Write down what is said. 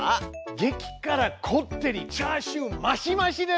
げきからこってりチャーシュー増し増しです！